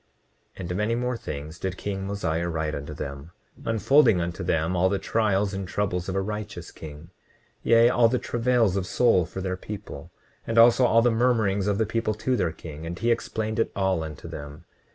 29:33 And many more things did king Mosiah write unto them, unfolding unto them all the trials and troubles of a righteous king, yea, all the travails of soul for their people, and also all the murmurings of the people to their king; and he explained it all unto them.